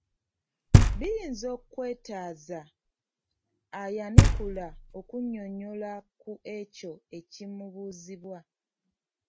Biyinza okwetaaza ayanukula okunnyonnyola ku ekyo ekimubuzibwa.